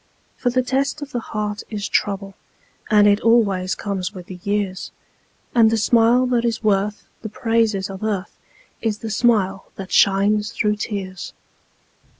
For the test of the heart is trouble, And it always comes with the years, And the smile that is worth the praises of earth Is the smile that shines through tears.